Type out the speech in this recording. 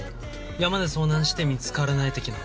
山で遭難して見つからない的な。